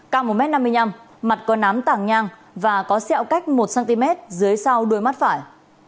cao một m năm mươi năm mặt có nám tàng nhang và có sẹo cách một cm dưới sau đuôi mắt phải